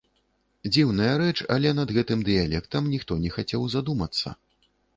Дзіўная рэч, але над гэтым дыялектам ніхто не хацеў задумацца.